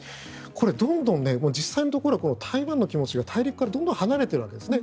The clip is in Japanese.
これ、どんどん実際のところは台湾の気持ちが大陸からどんどん離れているわけですね。